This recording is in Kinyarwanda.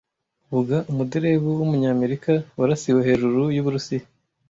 Vuga umuderevu wumunyamerika warasiwe hejuru yUburusiya